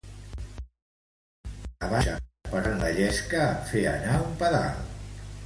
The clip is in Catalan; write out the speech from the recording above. Aquesta avança perforant la llesca en fer anar un pedal.